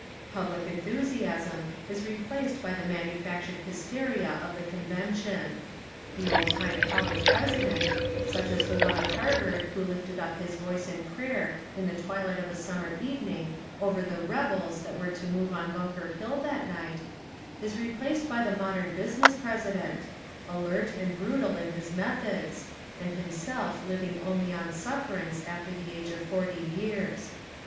Public enthusiasm is replaced by the manufactured hysteria of the convention. The old time college president, such as the one of Harvard who lifted up his voice in prayer in the twilight of a summer evening over the "rebels" that were to move on Bunker Hill that night, is replaced by the Modern Business President, alert and brutal in his methods, and himself living only on sufferance after the age of forty years.